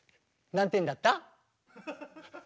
何点だった？